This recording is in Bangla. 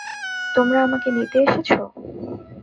তোমরা আমাকে নিতে এসেছো।